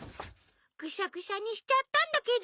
グシャグシャにしちゃったんだけど。